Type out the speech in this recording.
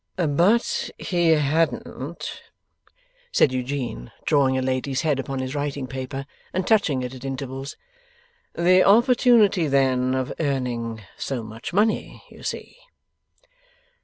'But he hadn't,' said Eugene, drawing a lady's head upon his writing paper, and touching it at intervals, 'the opportunity then of earning so much money, you see.